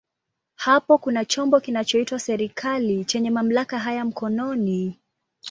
Hapo kuna chombo kinachoitwa serikali chenye mamlaka haya mkononi.